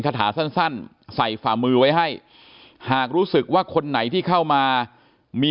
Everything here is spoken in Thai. คาถาสั้นใส่ฝ่ามือไว้ให้หากรู้สึกว่าคนไหนที่เข้ามามี